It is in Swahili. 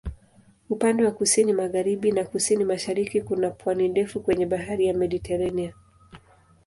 Upande wa kusini-magharibi na kusini-mashariki kuna pwani ndefu kwenye Bahari ya Mediteranea.